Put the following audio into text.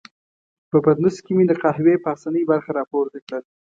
په پتنوس کې مې د قهوې پاسنۍ برخه را پورته کړل.